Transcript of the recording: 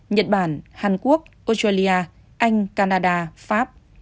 nhật bản hàn quốc australia anh canada pháp